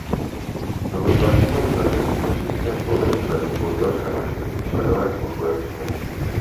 Podle zvláštního ustanovení tvoří více než polovinu členů spolkového shromáždění členové Spolkového sněmu.